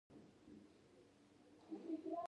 د واکمنې ډلې پیدایښت لامل د ګډ ژوند و